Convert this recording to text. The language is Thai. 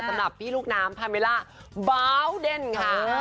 สำหรับพี่ลูกน้ำพาเมล่าบาวเดนค่ะ